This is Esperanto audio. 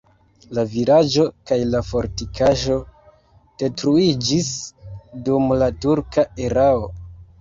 La vilaĝo kaj la fortikaĵo detruiĝis dum la turka erao.